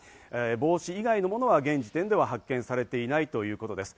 帽子以外のものは現時点では発見されていないということです。